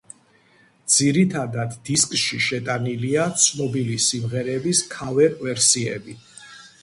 ძირითადად დისკში შეტანილია ცნობილი სიმღერების ქავერ-ვერსიები.